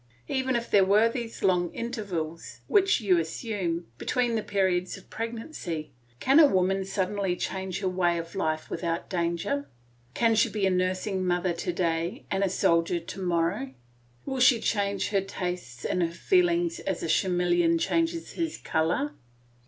Even if there were these long intervals, which you assume, between the periods of pregnancy, can a woman suddenly change her way of life without danger? Can she be a nursing mother to day and a soldier to morrow? Will she change her tastes and her feelings as a chameleon changes his colour?